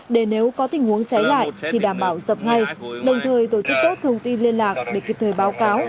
để nếu có tình huống cháy lại thì đảm bảo dập ngay đồng thời tổ chức tốt thông tin liên lạc để kịp thời báo cáo